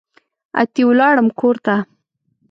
اتي ولاړم کورته